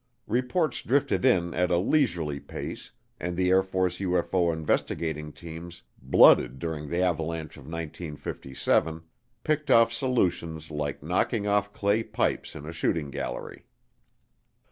Reports drifted in at a leisurely pace and the Air Force UFO investigating teams, blooded during the avalanche of 1957, picked off solutions like knocking off clay pipes in a shooting gallery.